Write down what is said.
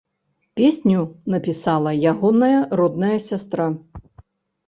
Песню напісала ягоная родная сястра.